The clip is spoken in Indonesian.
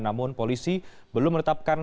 namun polisi belum menetapkan